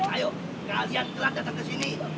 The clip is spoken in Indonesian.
ayo kalian telah datang ke sini